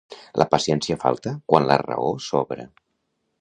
La paciència falta quan la raó sobra.